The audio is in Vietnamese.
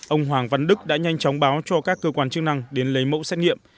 ông hoàng văn đức đã nhanh chóng báo cho các cơ quan chức năng đến lấy mẫu xét nghiệm